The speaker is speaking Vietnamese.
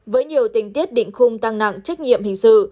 với nhiều tình tiết định khung tăng nặng trách nhiệm hình sự